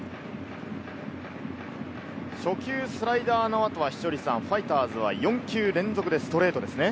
初球スライダーの後は稀哲さん、ファイターズは４球連続でストレートですね。